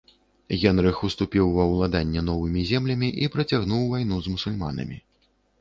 Генрых уступіў ва ўладанне новымі землямі і працягнуў вайну з мусульманамі.